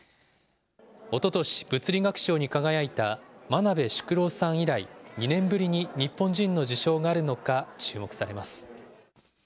おととし、物理学賞に輝いた真鍋淑郎さん以来、２年ぶりに日本人の受賞があるのか注目されます。